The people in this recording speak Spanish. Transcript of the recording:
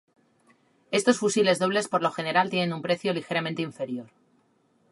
Estos fusiles dobles por lo general tienen un precio ligeramente inferior.